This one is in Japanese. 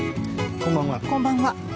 こんばんは。